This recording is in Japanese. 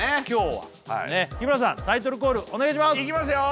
今日は日村さんタイトルコールお願いします